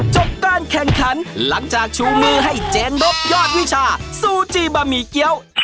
จบการแข่งขันหลังจากชูมือให้เจนรบยอดวิชาซูจีบะหมี่เกี้ยว